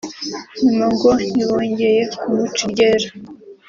nyuma ngo ntibongeye kumuca iryera